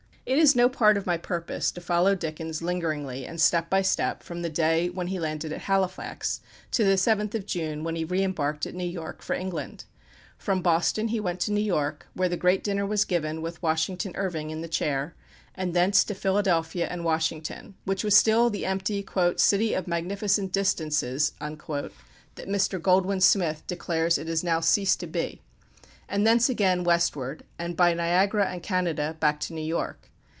It is no part of my purpose to follow Dickens lingeringly, and step by step, from the day when he landed at Halifax, to the 7th of June, when he re embarked at New York for England. From Boston he went to New York, where the great dinner was given with Washington Irving in the chair, and thence to Philadelphia and Washington, which was still the empty "city of magnificent distances," that Mr. Goldwin Smith declares it has now ceased to be; and thence again westward, and by Niagara and Canada back to New York.